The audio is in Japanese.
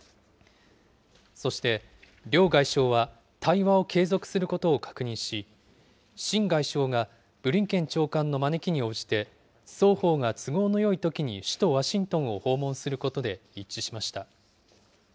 そして、両外相は対話を継続することを確認し、秦外相がブリンケン長官の招きに応じて、双方が都合のよいときに首都ワシントンを訪問することで一致しました。